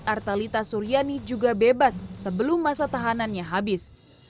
artalita suryani juga bebas sebelum masa tahanannya habis